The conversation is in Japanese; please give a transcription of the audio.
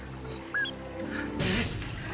えっ？